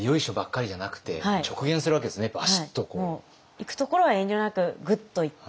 いくところは遠慮なくグッといって。